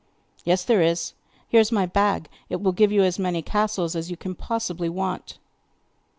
'Yes, there is. Here is my bag; it will give you as many castles as you can possibly want.